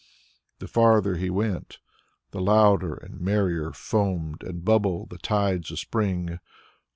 The farther he went, the louder and merrier foamed and bubbled the tides of spring.